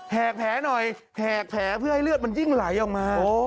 แผลหน่อยแหกแผลเพื่อให้เลือดมันยิ่งไหลออกมา